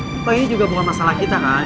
pokoknya ini juga bukan masalah kita kan